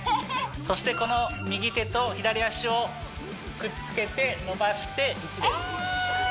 そしてこの右手と左脚をくっつけて伸ばして１ですえ！？